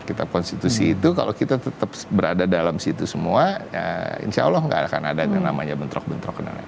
kita konstitusi itu kalau kita tetap berada dalam situ semua insya allah nggak akan ada yang namanya bentrok bentrok dan lain lain